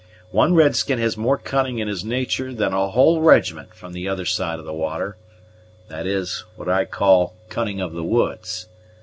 One red skin has more cunning in his natur' than a whole regiment from the other side of the water; that is, what I call cunning of the woods.